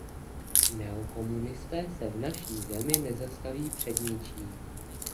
Neokomunisté se v naší zemi nezastaví před ničím.